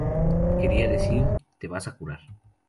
Quería decir "te vas a curar".